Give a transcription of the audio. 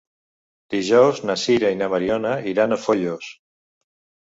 Dijous na Sira i na Mariona iran a Foios.